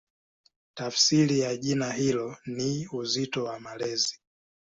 Tafsiri ya jina hilo ni "Uzito wa Malezi".